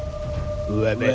buat buat buat